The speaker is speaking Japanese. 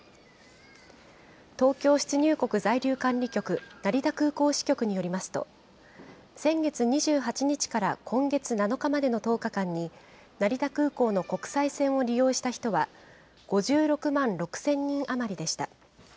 東京出入国在留管理局成田空港支局によりますと、先月２８日から今月７日までの１０日間に、成田空港の国際線を利用した人は５６万６０００人余りでした。